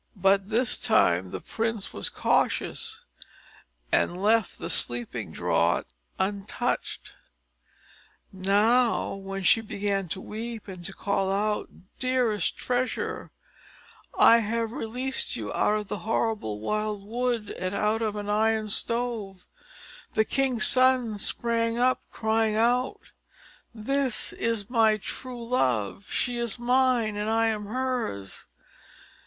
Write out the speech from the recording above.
But this time the prince was cautious, and left the sleeping draught untouched. Now, when she began to weep, and to call out, "Dearest treasure, I have released you out of the horrible wild wood, and out of an Iron Stove," the king's son sprang up, crying out: "This is my right true love she is mine, and I am hers."